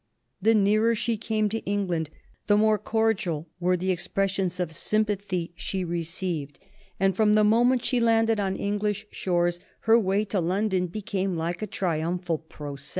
The nearer she came to England the more cordial were the expressions of sympathy she received, and from the moment she landed on English shores her way to London became like a triumphal procession.